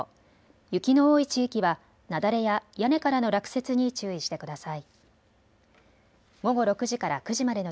雪の多い地域は雪崩や屋根からの落雪に注意してください。